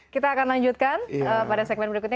kita akan lanjutkan pada segmen berikutnya